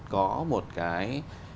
có một cái